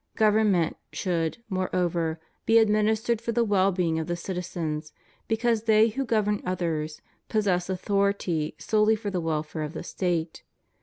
Government should, moreover, be administered for the well being of the citizens because they who govern others possess authority solely for the welfare of the State.